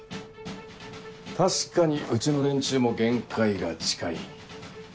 確かにうちの連中も限界が近い。